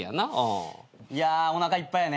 いやおなかいっぱいやね。